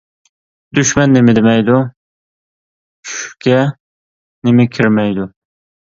دۈشمەن نېمە دېمەيدۇ، چۈشكە نېمە كىرمەيدۇ.